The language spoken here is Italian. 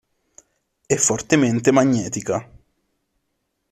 È fortemente magnetica.